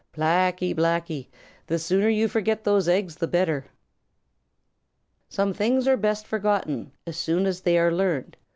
Blacky, Blacky, the sooner you forget those eggs the better." Some things are best forgotten As soon as they are learned.